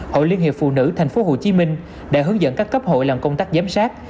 hội liên hiệp phụ nữ tp hcm đã hướng dẫn các cấp hội làm công tác giám sát